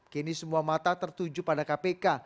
kini semua mata tertuju pada kpk